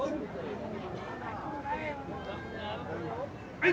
はい！